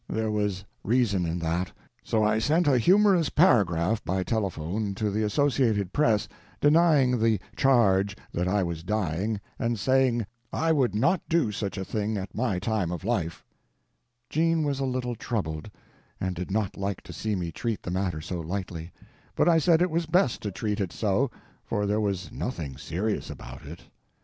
There was reason in that; so I sent a humorous paragraph by telephone to the Associated Press denying the "charge" that I was "dying," and saying "I would not do such a thing at my time of life." Mr. Gabrilowitsch had been operated on for appendicitis. Jean was a little troubled, and did not like to see me treat the matter so lightly; but I said it was best to treat it so, for there was nothing serious about it.